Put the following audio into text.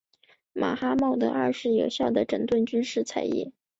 马哈茂德二世有效地整顿军事采邑。